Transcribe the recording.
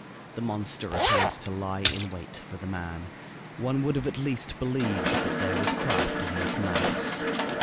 The monster appeared to lie in wait for the man. One would have at least believed that there was craft in this mass.